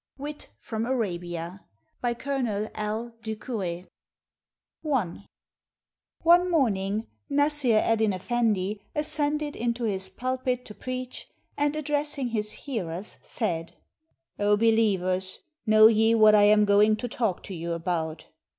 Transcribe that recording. WIT FROM ARABIA BY COLONEL L. DU COURET I One morning, Nassr Eddyn Effendi ascended into his pulpit to preach, and addressing his hearers said :— "0 behevers, know ye what I am going to talk to you about?"